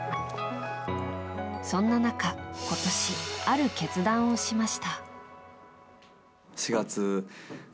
そんな中、今年ある決断をしました。